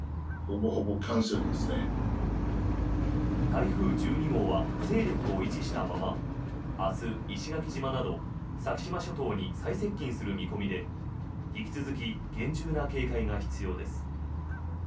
台風１２号は勢力を維持したまま明日、石垣島など先島諸島に最接近する見込みで引き続き厳重な警戒が必要です。